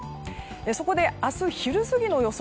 そこで、明日昼過ぎの予想